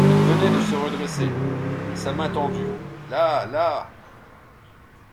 Il venait de se redresser, et sa main tendue: « Là... là...